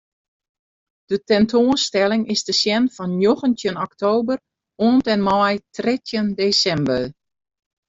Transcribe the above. De tentoanstelling is te sjen fan njoggentjin oktober oant en mei trettjin desimber.